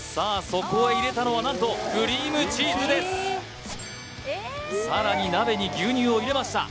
そこへ入れたのは何とクリームチーズですさらに鍋に牛乳を入れました